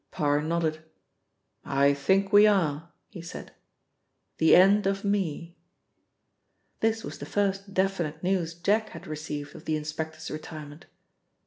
Parr nodded. "I think we are," he said. "The end of me." This was the first definite news Jack had received of the inspector's retirement.